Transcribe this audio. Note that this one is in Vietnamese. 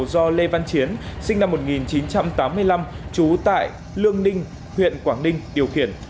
do lê văn chiến sinh năm một nghìn chín trăm tám mươi năm trú tại lương ninh huyện quảng ninh điều khiển